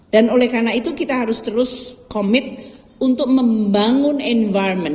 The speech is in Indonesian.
dan oleh karena itu kita harus terus commit untuk membangun environment